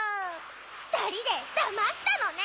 ふたりでだましたのね！